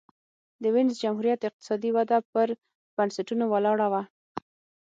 د وینز جمهوریت اقتصادي وده پر بنسټونو ولاړه وه.